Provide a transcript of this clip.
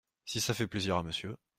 Si ça fait plaisir à Monsieur…